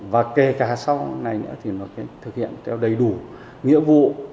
và kể cả sau này nữa thì nó sẽ thực hiện theo đầy đủ nghĩa vụ